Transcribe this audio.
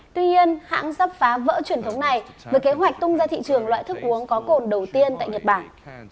tuy nhiên hãng sắp phá vỡ truyền thống này với kế hoạch tung ra thị trường loại thức uống có cồn đầu tiên tại nhật bản